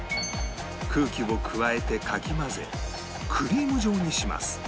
空気を加えてかき混ぜクリーム状にします